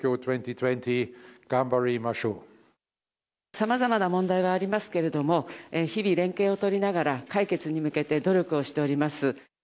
さまざまな問題がありますけれども、日々連携を取りながら、解決に向けて努力をしております。